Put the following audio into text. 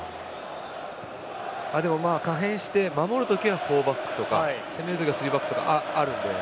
でも可変して、守る時は４バックとか、攻める時は３バックとかあるので。